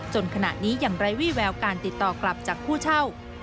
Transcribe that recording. ขณะนี้ยังไร้วี่แววการติดต่อกลับจากผู้เช่า